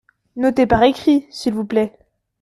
Notez par écrit, s’il vous plait.